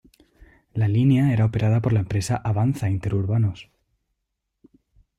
La línea era operada por la empresa Avanza Interurbanos.